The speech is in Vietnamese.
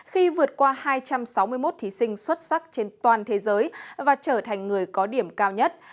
khi vượt qua hai trăm sáu mươi một thí sinh xuất sắc trên toàn thế giới và trở thành người có điểm cao nhất